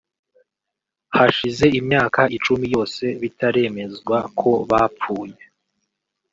Hashize imyaka icumi yose bitaremezwa ko bapfuye